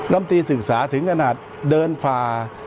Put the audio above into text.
ลำตีศึกษาถึงขนาดเดินฝ่า